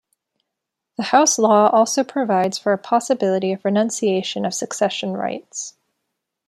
The house law also provides for a possibility of renunciation of succession rights.